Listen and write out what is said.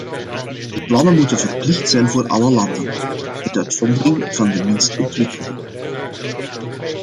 Die plannen moeten verplicht zijn voor alle landen, met uitzondering van de minst ontwikkelde.